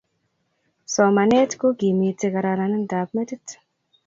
Somanet kokimiti kararanindap metit